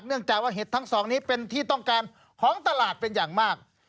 เนื่องจากว่าเห็ดทั้งสองนี้เป็นที่ต้องการของตลาดเป็นอย่างมาก